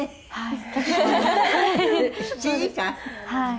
はい。